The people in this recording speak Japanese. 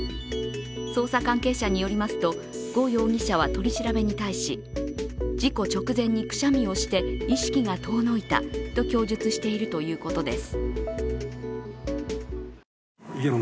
捜査関係者によりますと呉容疑者は取り調べに対し事故直前にくしゃみをして意識が遠のいたと供述しているということです。